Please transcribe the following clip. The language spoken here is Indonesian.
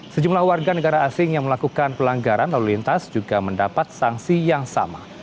sejumlah warga negara asing yang melakukan pelanggaran lalu lintas juga mendapat sanksi yang sama